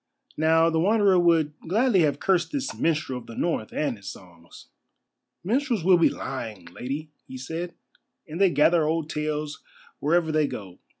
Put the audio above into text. Now, the Wanderer would gladly have cursed this minstrel of the North and his songs. "Minstrels will be lying, Lady," he said, "and they gather old tales wherever they go.